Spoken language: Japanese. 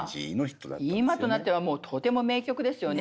今となってはとても名曲ですよね。